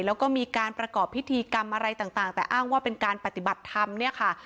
แล้วก็มีการประกอบพิธีกรรมอะไรต่างแต่อ้างว่าเป็นการปฏิบัติธรรมเนี่ยค่ะ